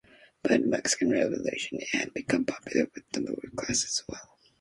By the Mexican Revolution, it had become popular with the lower classes as well.